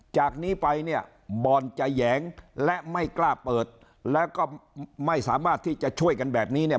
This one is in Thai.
จากนี้ไปเนี่ยบอลจะแหยงและไม่กล้าเปิดแล้วก็ไม่สามารถที่จะช่วยกันแบบนี้เนี่ย